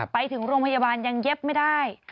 ไปถึงโรงพยาบาลยังเย็บไม่ได้